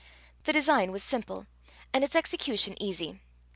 The design was simple, and its execution easy.